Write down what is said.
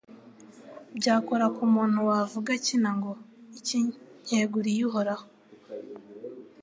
Byakora ku muntu wavuga akina ngo «Iki nkeguriye Uhoraho»